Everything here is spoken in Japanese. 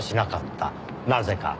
なぜか？